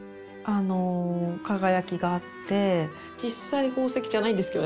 輝きがあって実際宝石じゃないんですけどね。